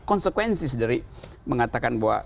konsekuensi dari mengatakan bahwa